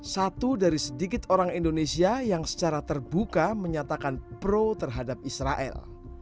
satu dari sedikit orang indonesia yang secara terbuka menyatakan pro terhadap israel